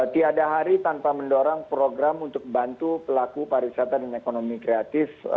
tiada hari tanpa mendorong program untuk bantu pelaku pariwisata dan ekonomi kreatif